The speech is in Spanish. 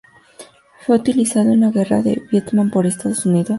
Fue utilizado en la guerra de Vietnam por Estados Unidos.